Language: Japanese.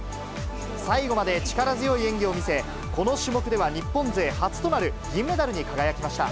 最後まで力強い演技を見せ、この種目では日本勢初となる銀メダルに輝きました。